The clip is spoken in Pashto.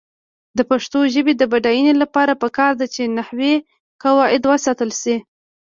د پښتو ژبې د بډاینې لپاره پکار ده چې نحوي قواعد وساتل شي.